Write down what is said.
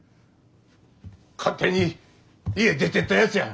勝手に家出てったやつや。